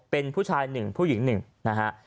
เป็นผู้ชายหนึ่งผู้หญิงหนึ่งนะฮะ